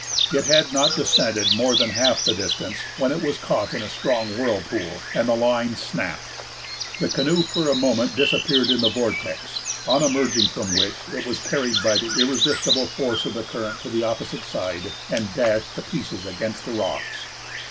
It had not descended more than half the distance, when it was caught in a strong whirlpool, and the line snapped. The canoe for a moment disappeared in the vortex, on emerging from which it was carried by the irresistible force of the current to the opposite side, and dashed to pieces against the rocks.